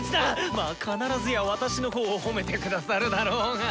まあ必ずや私の方を褒めて下さるだろうが。